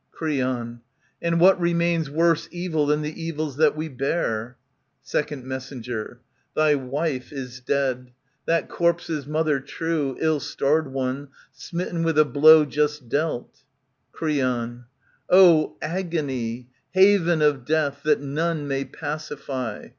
^^ Creon. And what remains Worse evil than the evils that we bear? Sec, Mess. Thy wife is dead, that corpse's mother true, 111 starred one, smitten with a blow just dealt* Creon, O agony ! Haven of Death, that none may pacify.